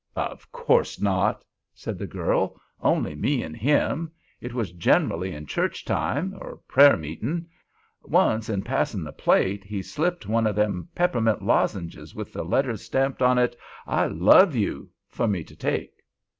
"Of course not," said the girl. "Only me and him. It was generally at church time—or prayer meeting. Once, in passing the plate, he slipped one o' them peppermint lozenges with the letters stamped on it 'I love you' for me to take."